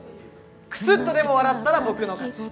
クスッとでも笑ったら僕の勝ち。